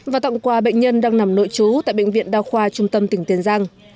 và tặng quà bệnh nhân đang nằm nội trú tại bệnh viện đa khoa trung tâm tỉnh tiền giang